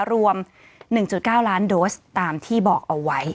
รวม๑๙ล้านโดสตามที่บอกเอาไว้